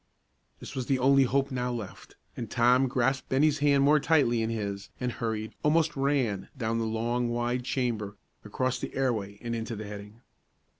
This was the only hope now left; and Tom grasped Bennie's hand more tightly in his, and hurried, almost ran, down the long, wide chamber, across the airway and into the heading.